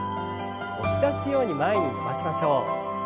押し出すように前に伸ばしましょう。